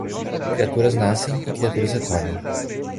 Criaturas nascem e criaturas retornam.